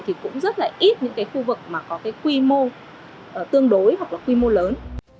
thì cũng rất là ít những cái khu vực mà có cái quy mô tương đối hoặc là quy mô lớn